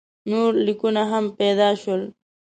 نور لیکونه هم پیدا شول.